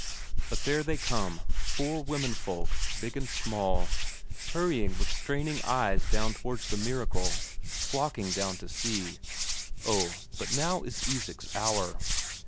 But there they come four womenfolk, big and small hurrying with straining eyes down towards the miracle, flocking down to see. Oh, but now is Isak's hour.